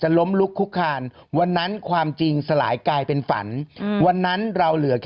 อึกอึกอึกอึกอึกอึกอึกอึกอึกอึกอึก